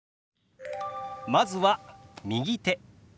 まずは「右手」。